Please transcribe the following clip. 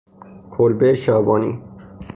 کلبه شبانی